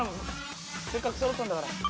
せっかくそろったんだから。